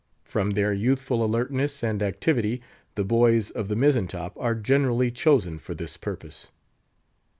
From their youthful alertness and activity, the boys of the mizzen top are generally chosen for this purpose.